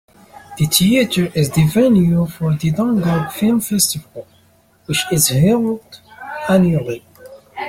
The theatre is the venue for the Dungog Film Festival, which is held annually.